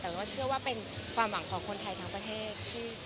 แต่ก็เชื่อว่าเป็นความหวังของคนไทยทั้งประเทศ